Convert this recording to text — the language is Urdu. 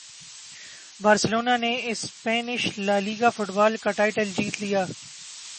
بارسلونا نے اسپینش لالیگا فٹبال کا ٹائٹل جیت لیا